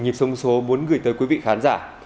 nhịp sông số muốn gửi tới quý vị khán giả